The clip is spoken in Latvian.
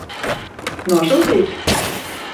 Nosūtīt?